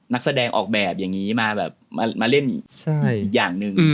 นักสดงออกแบบอย่างงี้มาเล่นอย่างหนึ่ง